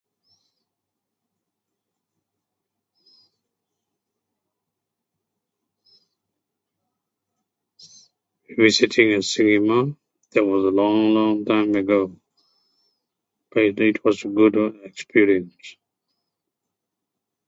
[unintelligible] it was a long long time ago but it was [unintelligible] experience